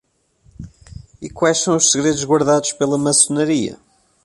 E quais são os segredos guardados pela maçonaria?